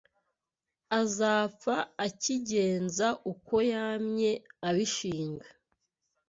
Akazapfa akigenza Uko yamye abishinga